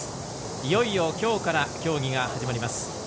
いよいよ、きょうから競技が始まります。